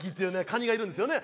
カニがいるんですよね